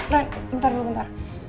ren bentar dulu bentar